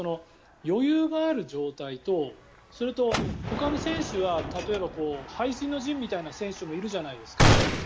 余裕がある状態とそれとほかの選手は例えば背水の陣みたいな選手もいるじゃないですか。